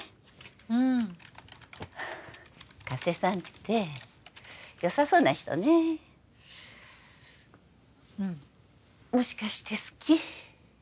うん加瀬さんってよさそうな人ねうんもしかして好き？